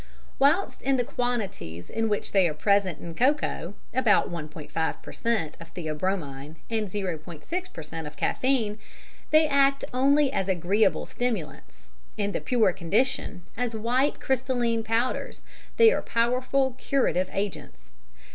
Whilst in the quantities in which they are present in cocoa (about 1.5 per cent. of theobromine and 0.6 per cent. of caffein) they act only as agreeable stimulants, in the pure condition, as white crystalline powders, they are powerful curative agents.